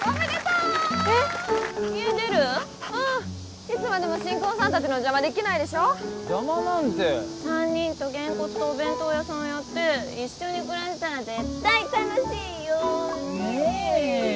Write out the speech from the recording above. うんいつまでも新婚さんたちの邪魔できないでしょ邪魔なんて３人とゲンコツとお弁当屋さんやって一緒に暮らしたら絶対楽しいよねえねえ